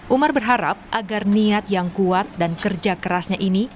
umar berharap agar niat yang kuat dan kerja kerasnya ini